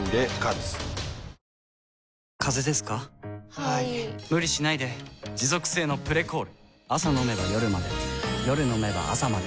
はい・・・無理しないで持続性の「プレコール」朝飲めば夜まで夜飲めば朝まで